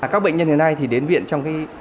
các bệnh nhân hiện nay thì đến viện trong